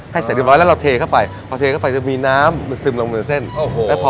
ให้เสร็จไว้แล้วเราเทเข้าไปเขาเทเข้าไปจะมีน้ำมันซึมลงเนื้อเส้นเอ้าโห